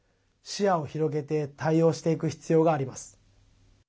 視野を広げて対応していく必要があります。